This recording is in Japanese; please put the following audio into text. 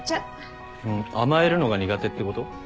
甘えるのが苦手ってこと？